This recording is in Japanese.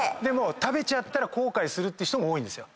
食べちゃったら後悔するって人が多いんですよ。